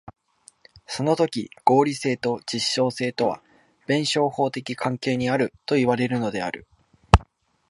そのとき合理性と実証性とは弁証法的関係にあるといわれるのである。